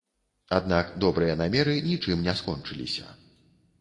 Аднак добрыя намеры нічым не скончыліся.